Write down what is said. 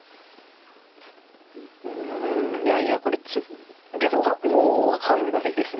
うんいやいやこれでももう分かんないですね。